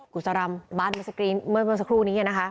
กุศรรรมบ้านเมื่อสักครู่นี้นะคะ